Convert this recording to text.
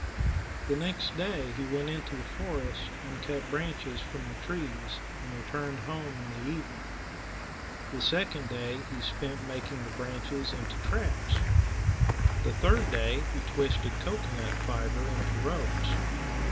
The next day he went into the forest and cut branches from the trees, and returned home in the evening. The second day he spent making the branches into traps. The third day he twisted cocoanut fiber into ropes.